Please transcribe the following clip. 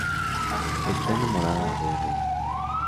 Está enamorada de Ren.